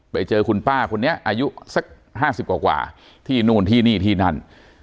ไปเจอคุณป้าคนนี้อายุสัก๕๐กว่าที่นู่นที่นี่ที่นั่น